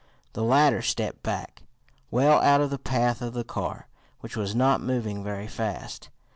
The latter stepped back, well out of the path of the car, which was not moving very fast.